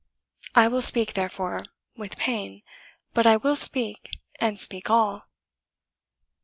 I will speak, therefore, with pain, but I will speak, and speak all."